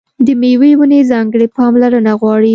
د مېوې ونې ځانګړې پاملرنه غواړي.